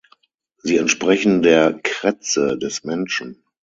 Sie entsprechen der Krätze des Menschen.